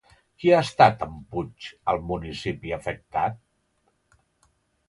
Qui ha estat amb Puig al municipi afectat?